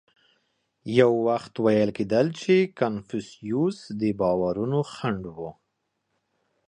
یو وخت ویل کېدل چې کنفوسیوس باورونه خنډ و.